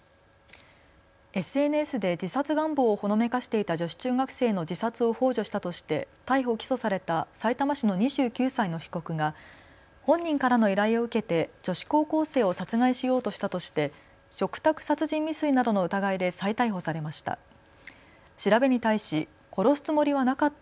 ＳＮＳで自殺願望をほのめかしていた女子中学生の自殺をほう助したとして逮捕・起訴されたさいたま市の２９歳の被告が本人からの依頼を受けて女子高校生を殺害しようとしたとして嘱託殺人未遂などの疑いで再逮捕されました。